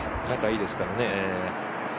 仲いいですからね。